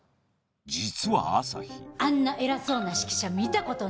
実は朝陽あんな偉そうな指揮者見たことない。